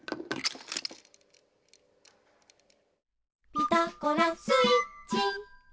「ピタゴラスイッチ」